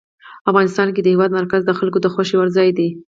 افغانستان کې د هېواد مرکز د خلکو د خوښې وړ ځای دی.